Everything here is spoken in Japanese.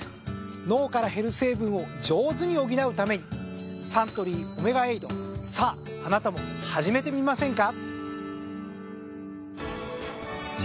脳から減る成分を上手に補うためにサントリーオメガエイドさぁあなたも始めてみませんか？